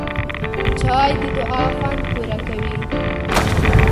چای د دعا خوند پوره کوي